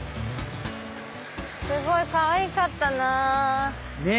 すごいかわいかったなぁ。ねぇ！